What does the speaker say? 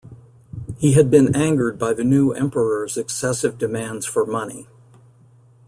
He had been angered by the new Emperor's excessive demands for money.